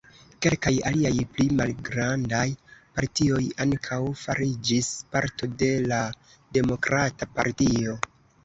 Kelkaj aliaj pli malgrandaj partioj ankaŭ fariĝis parto de la Demokrata Partio.